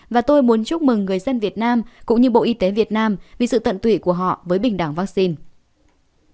và tôi muốn chúc mừng người dân việt nam cũng như bộ y tế việt nam vì sự tận tụy của họ với bình đẳng vaccine